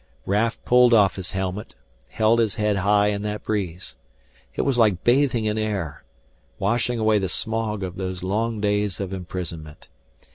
Raf pulled off his helmet, held his head high in that breeze. It was like bathing in air, washing away the smog of those long days of imprisonment.